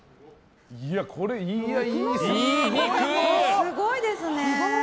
すごいですね。